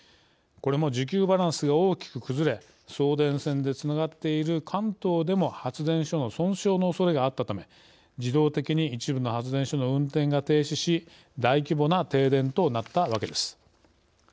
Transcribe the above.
これも需給バランスが大きく崩れ送電線でつながっている関東でも発電所の損傷のおそれがあったため自動的に一部の発電所の運転が停止し大規模な停電となったわけです。